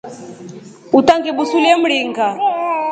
Utangibusulie mringa.